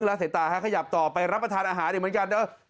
แล้วใส่ตาค่ะขยับต่อไปรับประทานอาหารเดี๋ยวเหมือนกัน